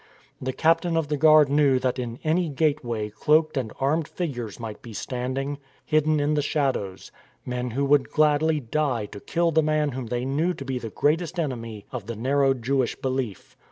The captain of the guard knew that in any gateway cloaked and armed figures might be standing, hidden in the shadows — men who would gladly die to kill the man whom they knew to be the greatest enemy of the narrow Jewish belief.